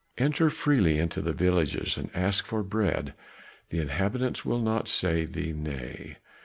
Enter freely into the villages and ask for bread, the inhabitants will not say thee nay.